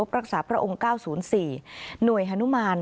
กรุ่งกำลังสนุนจาก